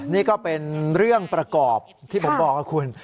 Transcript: นี่ก็เป็นเรื่องประกอบที่ผมบอกกับคุณ